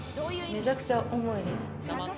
めちゃくちゃ重いです。